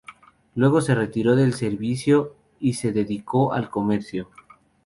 Luego se retiró del servicio y se dedicó al comercio.